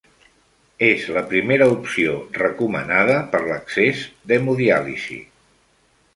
És la primera opció recomanada per l'accés d'hemodiàlisi.